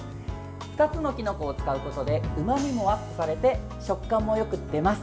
２つのきのこを使うことでうまみもアップされて食感もよく出ます。